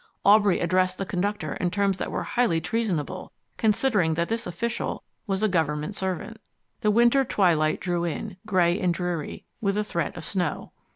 Aubrey addressed the conductor in terms that were highly treasonable, considering that this official was a government servant. The winter twilight drew in, gray and dreary, with a threat of snow.